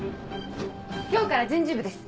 今日から人事部です。